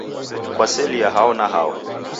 Kwaselie hao na hao?